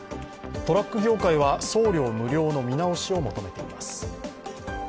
トラック業界は、送料無料の見直しを求めています。